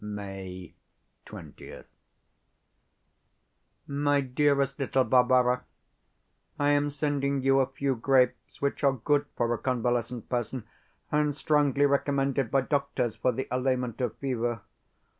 May 20th MY DEAREST LITTLE BARBARA, I am sending you a few grapes, which are good for a convalescent person, and strongly recommended by doctors for the allayment of fever.